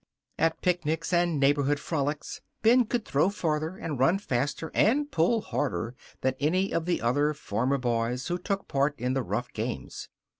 At picnics and neighborhood frolics Ben could throw farther and run faster and pull harder than any of the other farmer boys who took part in the rough games.